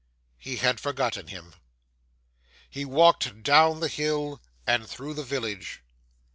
He had forgotten him. 'He walked down the hill, and through the village.